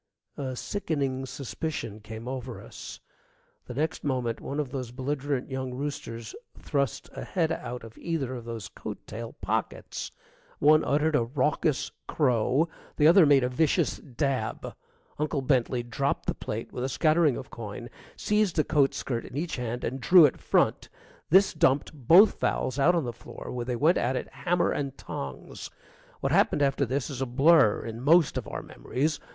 A sickening suspicion came over us. The next moment one of those belligerent young roosters thrust a head out of either of those coat tail pockets. One uttered a raucous crow, the other made a vicious dab. Uncle Bentley dropped the plate with a scattering of coin, seized a coat skirt in each hand, and drew it front. This dumped both fowls out on the floor, where they went at it hammer and tongs. What happened after this is a blur in most of our memories.